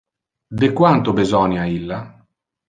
De quanto besonia illa?